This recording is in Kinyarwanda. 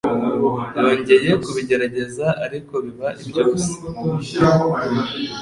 Yongeye kubigerageza, ariko biba iby'ubusa.